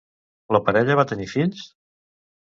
La parella va tenir fills?